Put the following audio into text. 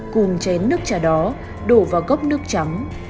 cùng chén nước trà đó đổ vào gốc nước trắng